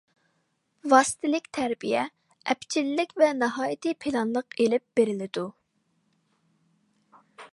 ۋاسىتىلىك تەربىيە ئەپچىللىك ۋە ناھايىتى پىلانلىق ئېلىپ بېرىلىدۇ.